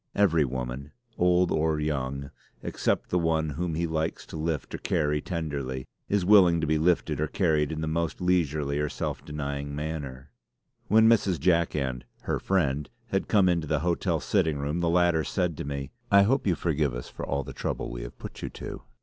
Every woman, old or young, except the one whom he likes to lift or carry tenderly, is willing to be lifted or carried in the most leisurely or self denying manner. When Mrs. Jack and 'her friend' had come into the hotel sitting room the latter said to me: "I hope you forgive us for all the trouble we have put you to."